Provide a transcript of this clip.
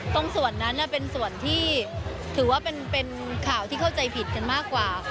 ตรงส่วนนั้นเป็นส่วนที่ถือว่าเป็นข่าวที่เข้าใจผิดกันมากกว่าค่ะ